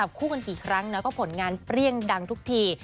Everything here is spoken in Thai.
คู่กันกี่ครั้งนะก็ผลงานเปรี้ยงดังทุกที